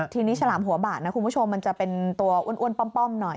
ทีนี้ฉลามหัวบาดนะคุณผู้ชมมันจะเป็นตัวอ้วนป้อมหน่อย